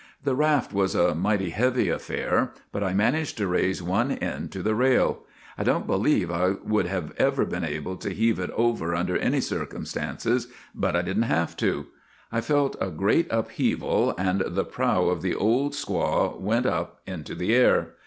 The raft was a mighty heavy affair, but I man aged to raise one end to the rail. I don't believe I would ever have been able to heave it over under any circumstances, but I did n't have to. ' I felt a great upheaval, and the prow of the Old Squaw went up into the air.